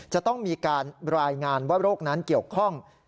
จะต้องมีการรายงานว่าโรคนั้นเกี่ยวข้อง